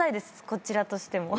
こちらとしても。